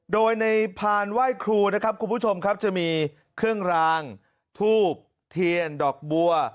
โดยในพานไหว้ครูนะครับคุณผู้ชมครับจะมีเครื่องรางทูบเทียนดอกบัว